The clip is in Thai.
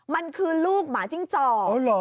มันคือลูกหมาจิ้งจอก